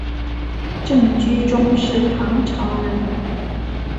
郑居中是唐朝人。